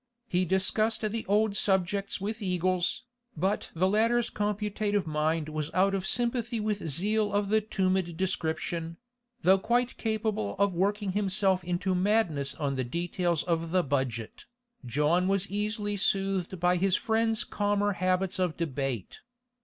He discussed the old subjects with Eagles, but the latter's computative mind was out of sympathy with zeal of the tumid description; though quite capable of working himself into madness on the details of the Budget, John was easily soothed by his friend's calmer habits of debate.